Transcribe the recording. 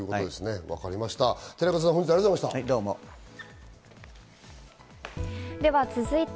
寺門さん、本日はありがとうございました。